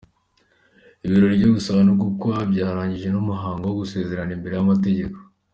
Ibirori byo gusaba no gukwa byabanjirijwe n’umuhango wo gusezerana imbere y’amategeko.